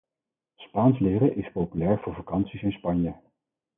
Spaans leren is populair voor vakanties in Spanje.